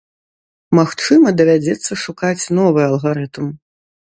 Магчыма, давядзецца шукаць новы алгарытм.